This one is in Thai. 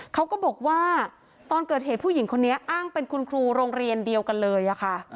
เขาก็บอกว่าตอนเกิดเหตุผู้หญิงคนนี้อ้างเป็นคุณครูโรงเรียนเดียวกันเลยค่ะ